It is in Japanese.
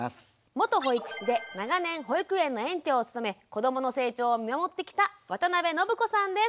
元保育士で長年保育園の園長を務め子どもの成長を見守ってきた渡邊暢子さんです。